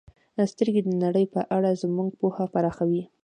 • سترګې د نړۍ په اړه زموږ پوهه پراخوي.